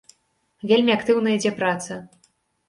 Вельмі актыўна ідзе праца.